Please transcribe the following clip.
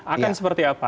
akan seperti apa